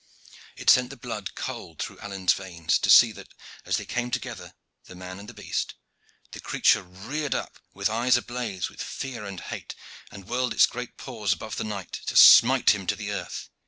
It sent the blood cold through Alleyne's veins to see that as they came together the man and the beast the creature reared up, with eyes ablaze with fear and hate, and whirled its great paws above the knight to smite him to the earth.